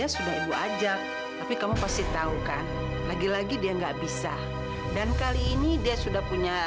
sampai jumpa di video selanjutnya